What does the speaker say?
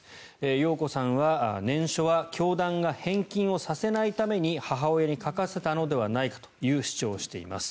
容子さんは、念書は教団が返金をさせないために母親に書かせたのではないかという主張をしています。